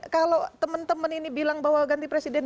kalau teman teman ini bilang bahwa ganti presiden